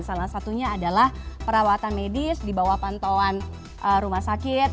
salah satunya adalah perawatan medis di bawah pantauan rumah sakit